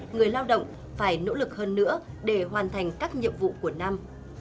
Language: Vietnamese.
người lao động phải nỗ lực hơn nữa để hoàn thành các nhiệm vụ của năm